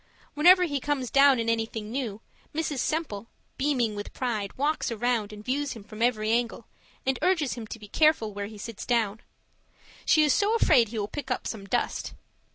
Whenever he comes down in anything new, Mrs. Semple, beaming with pride, walks around and views him from every angle, and urges him to be careful where he sits down; she is so afraid he will pick up some dust.